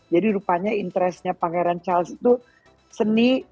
jadi rupanya interesnya pangeran charles itu seni